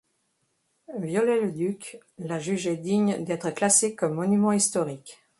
Viollet-le-Duc la jugeait digne d'être classée comme Monument Historique.